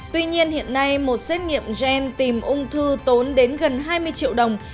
tuy nhiên hiện nay một xét nghiệm gen tìm ung thư tốn đến gần hai mươi triệu đồng